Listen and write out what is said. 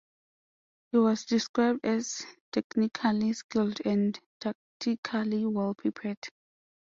He was described as "technically skilled and tactically well prepared".